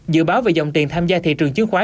dự báo về dòng tiền tham gia thị trường chiến khóa